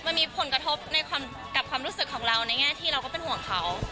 มันมีผลกระทบในความรู้สึกของเราในแง่ที่เราก็เป็นห่วงเขา